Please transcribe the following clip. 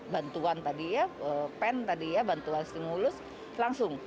bantuan tadi ya pen tadi ya bantuan stimulus langsung